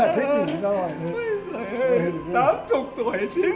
trời ơi tám mươi tuổi chín mươi tuổi cả